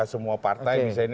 tidak semua partai bisa ini